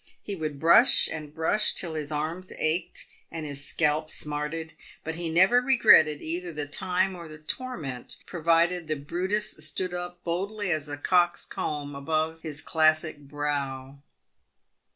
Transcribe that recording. He would brush and brush till his arms ached and his scalp smarted, but he never regretted either the time or the torment provided the Brutus stood up boldly as a cock's comb above his classic brow.